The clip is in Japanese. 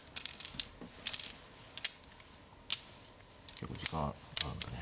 結構時間あるんだね。